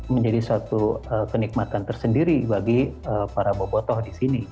menjadi satu kenikmatan tersendiri bagi para boboto di sini